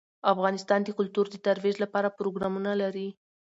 افغانستان د کلتور د ترویج لپاره پروګرامونه لري.